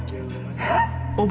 えっ？